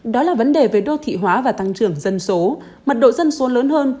đó là vấn đề về đô thị hóa và tăng trưởng dân số mật độ dân số lớn hơn